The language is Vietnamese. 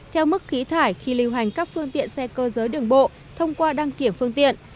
theo mức khí thải khi lưu hành các phương tiện xe cơ giới đường bộ thông qua đăng kiểm phương tiện